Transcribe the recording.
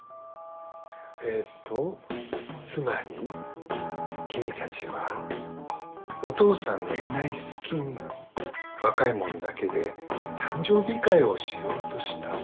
えっとつまり君たちはお父さんのいない隙に若いもんだけで誕生日会をしようとした。